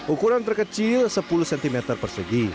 ukuran terkecil sepuluh cm persegi